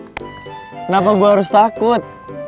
kenapa gue harus takut